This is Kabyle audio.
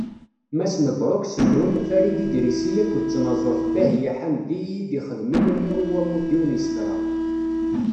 Mass Mebruk Sennun, Farid Idrisi akked tnaẓurt Bahiya Ḥamdi i yi-d-ixedmen unuɣ i wammud-iw n yisefra.